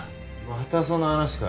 またその話かよ。